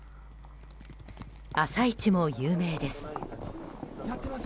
朝市も有名です。